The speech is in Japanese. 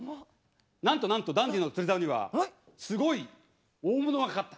なんとなんとダンディの釣りざおにはすごい大物がかかった。